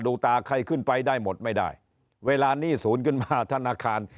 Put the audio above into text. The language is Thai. ตาใครขึ้นไปได้หมดไม่ได้เวลาหนี้ศูนย์ขึ้นมาธนาคาร